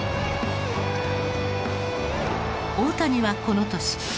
大谷はこの年